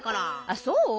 あっそう？